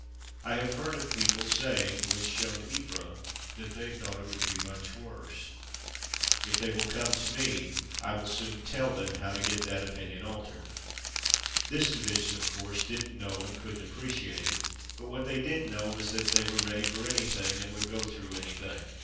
I have heard of people saying, when shown Ypres, that they thought it would be much worse. If they will come to me, I will soon tell them how to get that opinion altered. This division, of course, didn't know and couldn't appreciate it, but what they did know was that they were ready for any thing, and would go through anything.